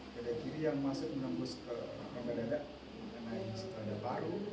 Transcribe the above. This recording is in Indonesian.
dada kiri yang masuk menembus ke dada dada mengenai dada paru